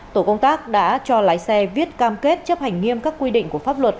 tổ công tác đã cho lái xe viết cam kết chấp hành nghiêm các quy định của pháp luật